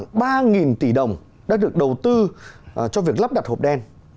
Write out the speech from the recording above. trong khi vài năm trước khoảng ba nghìn tỷ đồng đã được đầu tư cho việc lắp đặt hộp đen